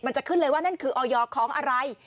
จะขึ้นเลยว่านั่นคือออยของอะไร